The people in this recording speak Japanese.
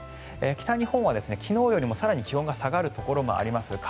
北日本は昨日よりも更に気温が下がるところもあります。